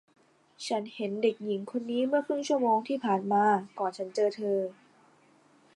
ฉันเห็นเด็กหญิงคนนี้เมื่อครึ่งชั่วโมงที่ผ่านมาก่อนฉันเจอเธอ